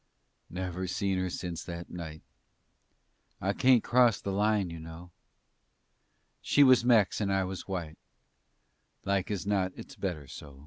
Never seen her since that night. I kaint cross the Line, you know. She was Mex and I was white; Like as not it's better so.